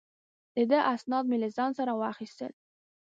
د ده اسناد مې له ځان سره را واخیستل.